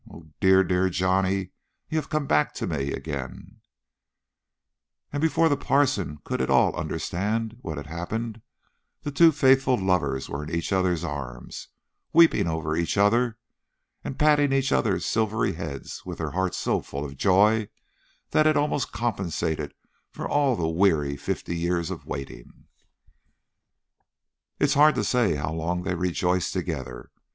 Oh dear, dear Johnny, you have come back to me again," and before the parson could at all understand what had happened, those two faithful lovers were in each other's arms, weeping over each other, and patting each other's silvery heads, with their hearts so full of joy that it almost compensated for all that weary fifty years of waiting. It is hard to say how long they rejoiced together.